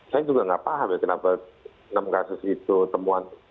saya juga nggak paham ya kenapa enam kasus itu temuan